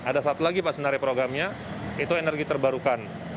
ada satu lagi pas menari programnya itu energi terbarukan